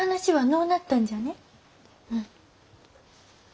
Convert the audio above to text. うん。